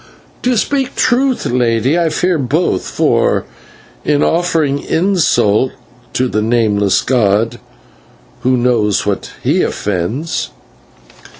"To speak truth, lady, I fear both, for, in offering insult to the Nameless god, who knows what he offends?